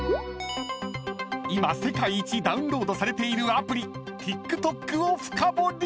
［今世界一ダウンロードされているアプリＴｉｋＴｏｋをフカボリ！］